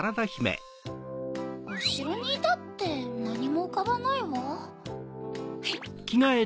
おしろにいたってなにもうかばないわ。